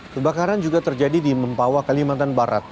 kebakaran juga terjadi di mempawa kalimantan barat